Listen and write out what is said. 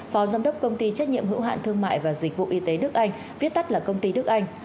phó giám đốc công ty trách nhiệm hữu hạn thương mại và dịch vụ y tế đức anh viết tắt là công ty đức anh